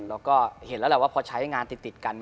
เห็นแล้วแหละกันว่าพอใช้งานติดกัน